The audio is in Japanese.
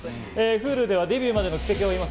Ｈｕｌｕではデビューまでの軌跡を追います